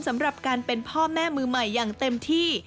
สำหรับการเป็นพ่อแม่มือใหม่อย่างเต็มที่